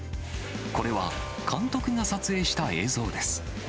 これは監督が撮影した映像です。